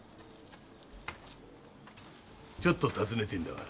ちょっと尋ねてえんだが。